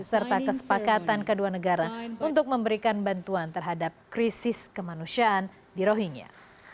serta kesepakatan kedua negara untuk memberikan bantuan terhadap krisis kemanusiaan di rohingya